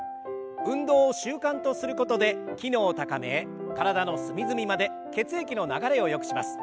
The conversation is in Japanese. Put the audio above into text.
運動を習慣とすることで機能を高め体の隅々まで血液の流れをよくします。